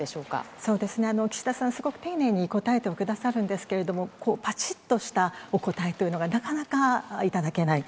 そうですね、岸田さん、すごく丁寧に答えてくださるんですけれども、ぱちっとしたお答えというのがなかなか頂けない。